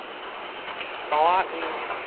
包仔嬰